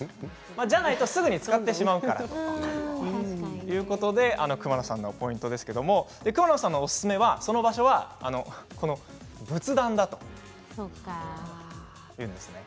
じゃないとすぐに使ってしまうからということで熊野さんのポイントですけれども熊野さんのおすすめの場所は仏壇だというんですね。